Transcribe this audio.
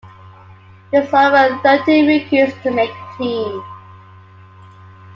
He was one of thirteen rookies to make the team.